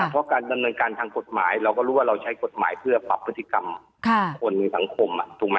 เพราะการดำเนินการทางกฎหมายเราก็รู้ว่าเราใช้กฎหมายเพื่อปรับพฤติกรรมของคนในสังคมถูกไหม